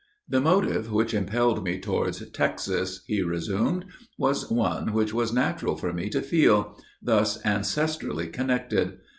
"The motive which impelled me towards Texas," he resumed, "was one which was natural for me to feel, thus ancestrally connected.